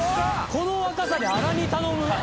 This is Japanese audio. この若さであら煮頼む？